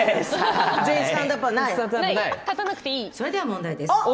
それでは問題です。